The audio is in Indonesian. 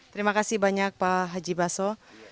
terima kasih banyak pak haji baso